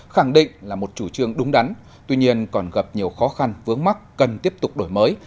khẳng định là một chủ trương đúng đắn tuy nhiên còn gặp nhiều khó khăn vướng mắt cần tiếp tục đổi mới